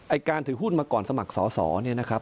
การถือหุ้นมาก่อนสมัครสอสอเนี่ยนะครับ